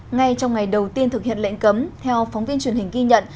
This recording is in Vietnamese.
ngay trong ngày đầu tiên thực hiện lệnh cấm theo phóng viên truyền hình ghi nhận